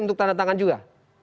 untuk tanda tangan juga